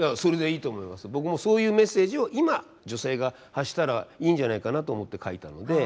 僕もそういうメッセージを今女性が発したらいいんじゃないかなと思って書いたので。